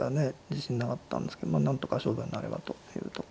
自信なかったんですけどまあなんとか勝負になればというとこでした。